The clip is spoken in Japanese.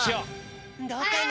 どうかな？